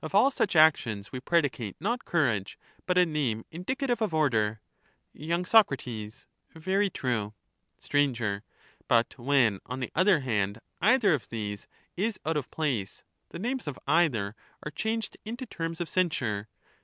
513 all such actions we predicate not courage, but a name statesman. indicative of order. Strahgkr, y. Soc. Very true. y^°„,. Str. But when, on the other hand, either of these is out of place, the names of either are changed into terms of censure.